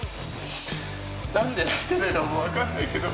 何で泣いてんのかも分かんないけど。